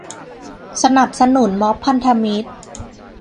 สนับสนุนม็อบพันธมิตร